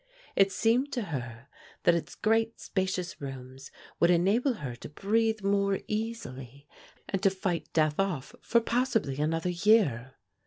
It seemed to her that its great spacious rooms would enable her to breathe more easily and to fight death off for possibly another year.